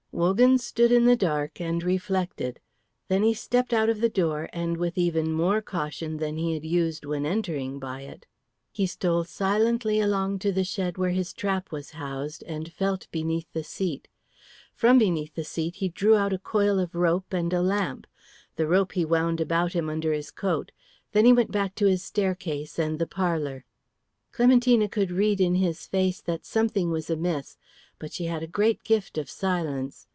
Wogan stood in the dark and reflected. Then he stepped out of the door with even more caution than he had used when entering by it. He stole silently along to the shed where his trap was housed, and felt beneath the seat. From beneath the seat he drew out a coil of rope, and a lamp. The rope he wound about him under his coat. Then he went back to his staircase and the parlour. Clementina could read in his face that something was amiss, but she had a great gift of silence.